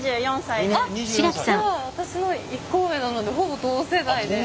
あっじゃあ私の１個上なのでほぼ同世代で。